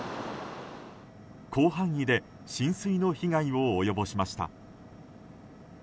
広範囲で浸水の被害を及ぼしました。